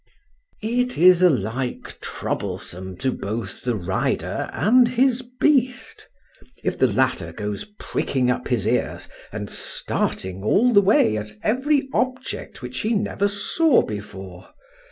It is alike troublesome to both the rider and his beast,—if the latter goes pricking up his ears, and starting all the way at every object which he never saw before.